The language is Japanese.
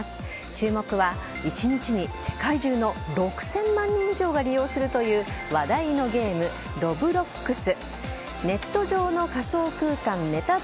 注目は、一日に世界中の６０００万人以上が利用するという話題のゲーム・ロブロックス。